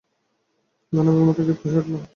দানবের মতো ক্ষিপ্ত হয়ে উঠলাম।